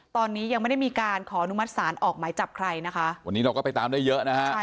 ตอนนี้ยังไม่ได้มีการขออนุมัติศาลออกหมายจับใครนะคะวันนี้เราก็ไปตามได้เยอะนะฮะใช่